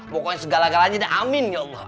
gak ada lagi deh amin ya allah